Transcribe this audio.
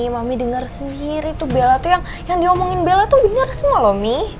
mami denger sendiri tuh bel tuh yang yang diomongin bel tuh denger semua loh mi